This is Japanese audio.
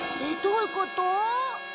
どういうこと？